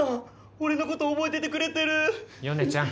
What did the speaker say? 俺のこと覚えててくれてる米ちゃん